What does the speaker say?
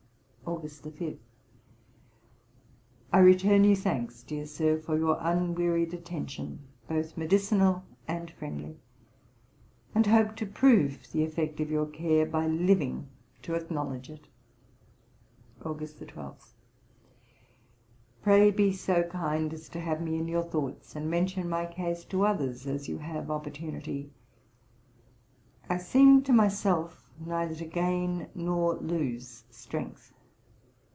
August 5. 'I return you thanks, dear Sir, for your unwearied attention, both medicinal and friendly, and hope to prove the effect of your care by living to acknowledge it.' August 12. 'Pray be so kind as to have me in your thoughts, and mention my case to others as you have opportunity. I seem to myself neither to gain nor lose strength.